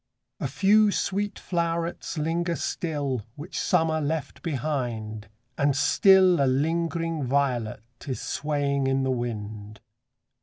AN AUTUMN INVITATION. 115 A few sweet flow'rets linger still, Which Summer left behind ; And still a lingering violet Is swaying in the wind.